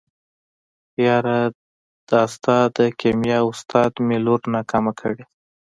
يره دا ستا د کيميا استاد مې لور ناکامه کړې.